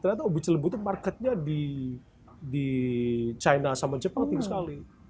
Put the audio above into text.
utuh ubi celembu itu marketnya di china sama jepang tinggi sekali